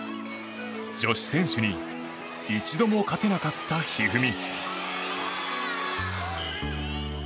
女子選手に一度も勝てなかった一二三。